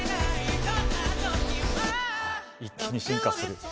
一気に進化する。